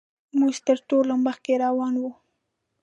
موږ تر ټولو مخکې روان وو.